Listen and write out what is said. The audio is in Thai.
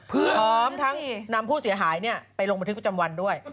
พร้อมทั้งนำผู้เสียหายไปลงบันทึกประจำวันด้วย